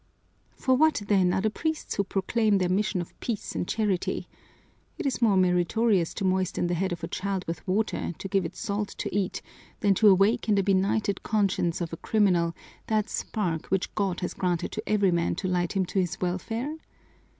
"For what, then, are the priests who proclaim their mission of peace and charity? Is it more meritorious to moisten the head of a child with water, to give it salt to eat, than to awake in the benighted conscience of a criminal that spark which God has granted to every man to light him to his welfare?